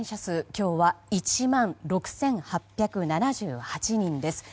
今日は１万６８７８人です。